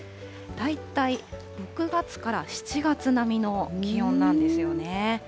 大体６月から７月並みの気温なんですよね。